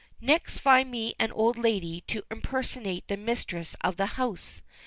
"Next find me an old lady to impersonate the mistress of the house.